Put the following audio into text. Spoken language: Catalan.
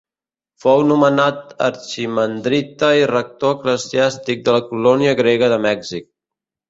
Fou nomenat arximandrita i rector eclesiàstic de la colònia grega de Mèxic.